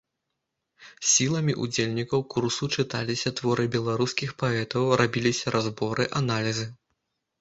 Сіламі ўдзельнікаў курсу чыталіся творы беларускіх паэтаў, рабіліся разборы, аналізы.